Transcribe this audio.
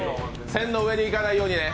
線の上に行かないようにね。